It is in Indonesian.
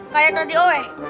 kayak tadi oe